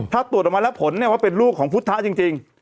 ถ้าตรวจออกมาแล้วผลเนี่ยว่าเป็นลูกของพุทธจริง